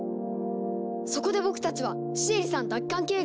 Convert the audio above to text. そこで僕たちはシエリさん奪還計画を立案。